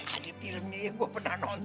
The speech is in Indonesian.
ya di filmnya ya gue pernah nonton